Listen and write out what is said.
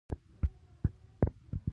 ازادي راډیو د د بیان آزادي کیسې وړاندې کړي.